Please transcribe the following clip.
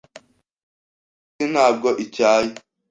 Imikasi ntabwo ityaye.